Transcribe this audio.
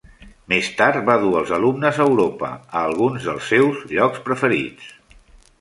Més tard va dur els alumnes a Europa, a alguns dels seus llocs preferits.